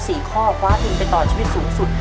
และจะรวมสี่ข้อฝ้าถึงไปต่อชีวิตสูงสุด